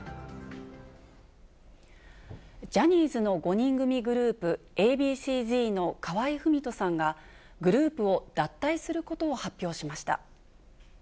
ジャニーズの５人組グループ、Ａ．Ｂ．ＣーＺの河合郁人さんが、グループを脱退することを発表しました。